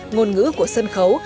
ngôn ngữ của sân khấu